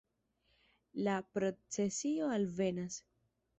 La procesio alvenas.